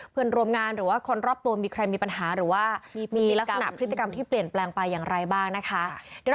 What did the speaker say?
เพื่อนร่วมงานหรือว่าคนรอบตัวมีใครมีปัญหาหรือว่ามีลักษณะพฤติกรรมที่เปลี่ยนแปลงไปอย่างไรบ้างนะคะ